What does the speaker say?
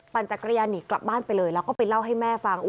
จักรยานหนีกลับบ้านไปเลยแล้วก็ไปเล่าให้แม่ฟัง